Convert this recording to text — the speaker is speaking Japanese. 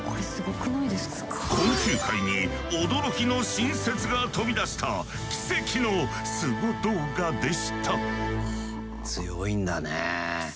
昆虫界に驚きの新説が飛び出した奇跡のスゴ動画でした。